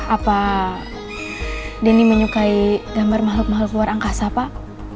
apa denny menyukai gambar mahluk mahluk luar angkasa pak